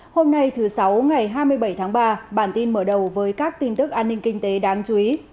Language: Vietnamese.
hôm nay thứ sáu ngày hai mươi bảy tháng ba bản tin mở đầu với các tin tức an ninh kinh tế đáng chú ý